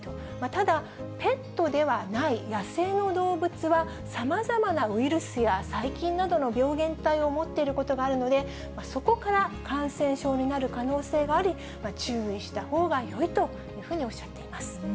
ただ、ペットではない野生の動物はさまざまなウイルスや細菌などの病原体を持っていることがあるので、そこから感染症になる可能性があり、注意したほうがよいというふうにおっしゃっています。